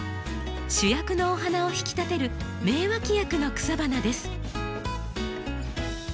主役のお花を引き立てる名脇役の草花です。